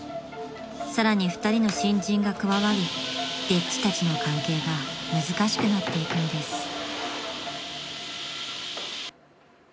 ［さらに２人の新人が加わり丁稚たちの関係が難しくなっていくのです］